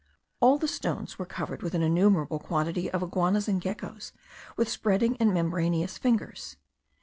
All the stones were covered with an innumerable quantity of iguanas and geckos with spreading and membranous fingers.